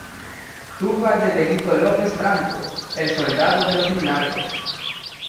Tumba de Benito López Franco, el Soldado de los Milagros